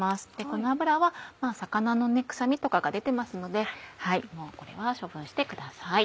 この油は魚の臭みとかが出てますのでもうこれは処分してください。